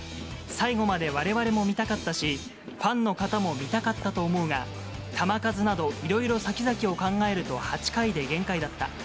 最後までわれわれも見たかったし、ファンの方も見たかったと思うが、球数など、いろいろ先々を考えると８回で限界だった。